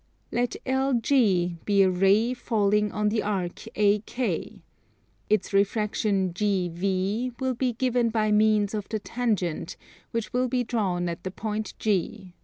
Let LG be a ray falling on the arc AK. Its refraction GV will be given by means of the tangent which will be drawn at the point G.